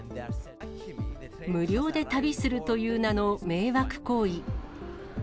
無料で旅するという名の迷惑行為。